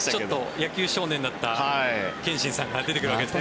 野球少年だった憲伸さんが出てくるわけですね。